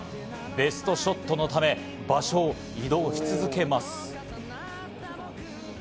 ベストショットのため、場所を移動し続けます。